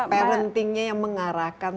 parentingnya yang mengarahkan